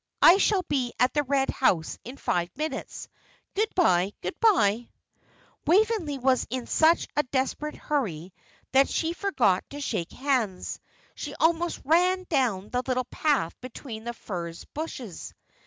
I shall be at the Red House in five minutes. Good bye, good bye." Waveney was in such a desperate hurry that she forgot to shake hands. She almost ran down the little path between the furze bushes.